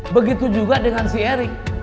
begitu juga dengan si erik